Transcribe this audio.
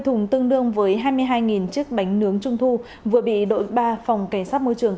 một trăm năm mươi thùng tương đương với hai mươi hai chiếc bánh nướng trung thu vừa bị đội ba phòng cảnh sát môi trường